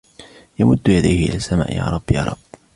يَمُدُّ يَدَيْهِ إِلَى السَّماءِ يا رَبُّ.. يا رَبُّ،